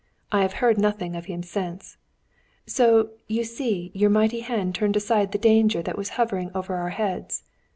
I have heard nothing of him since. So you see your mighty hand turned aside the danger that was hovering over our heads.